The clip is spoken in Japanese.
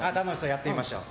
やってみましょう。